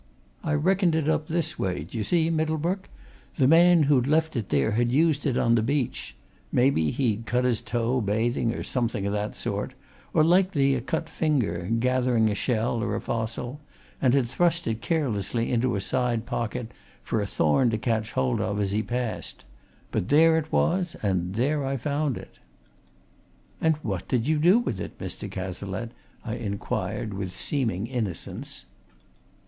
I reckoned it up this way, d'ye see, Middlebrook the man who'd left it there had used it on the beach maybe he'd cut his toe, bathing, or something o' that sort, or likely a cut finger, gathering a shell or a fossil and had thrust it carelessly into a side pocket, for a thorn to catch hold of as he passed. But there it was, and there I found it." "And what did you do with it, Mr. Cazalette?" I inquired with seeming innocence.